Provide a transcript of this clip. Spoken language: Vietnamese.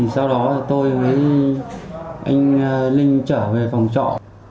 sau đó tôi mới anh linh trở về phòng trọ